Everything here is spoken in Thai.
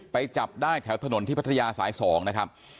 จับได้แถวถนนที่พัทยาสาย๒นะครับ